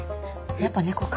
やっぱ猫か。